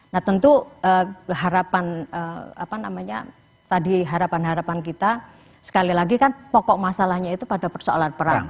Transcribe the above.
nah tentu harapan apa namanya tadi harapan harapan kita sekali lagi kan pokok masalahnya itu pada persoalan perang